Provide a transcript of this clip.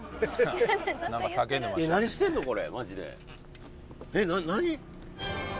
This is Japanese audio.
えっ何してんのこれ？